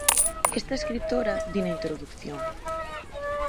Esta escritora di na introdución: